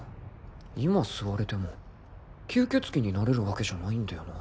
今吸われても吸血鬼になれるわけじゃないんだよな